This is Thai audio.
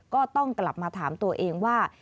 ก็ต้องกลับมาถามตัวเองว่า